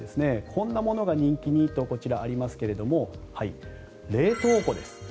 こんなものが人気にとありますけれども冷凍庫です。